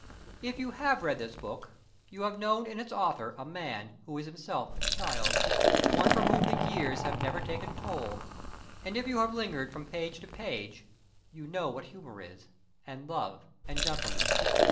If you have read this book, you have known in its author a man who is himself a child one from whom the years have never taken toll. And if you have lingered from page to page, you know what humor is, and love and gentleness.